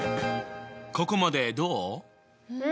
ここまでどう？